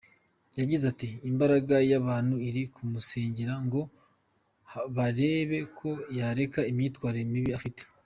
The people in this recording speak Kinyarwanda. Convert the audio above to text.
Yagize ati :« Imbaga y’abantu iri kumusengera ngo barebe ko yareka imyitwarire mibi afite.